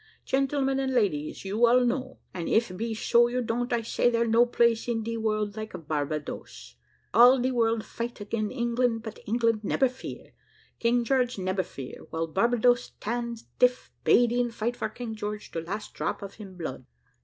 Gentlemen and ladies You all know, and if be so you don't, I say there no place in de world like Barbadoes. All de world fight again England, but England nebber fear; King George nebber fear, while Barbadoes 'tand 'tiff. 'Badian fight for King George to last drop of him blood.